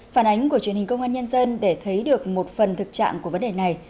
phản ánh của truyền hình công an nhân dân để thấy được một phần thực trạng của vấn đề này